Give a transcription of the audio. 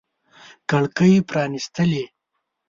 کړکۍ پرانیستلي